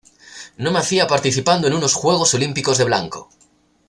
No me hacía participando en unos Juegos Olímpicos de blanco".